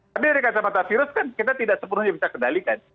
tapi dari kacamata virus kan kita tidak sepenuhnya bisa kendalikan